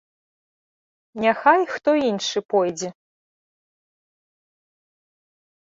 Няхай хто іншы пойдзе.